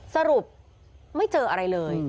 สรุปไม่เจออะไรเลย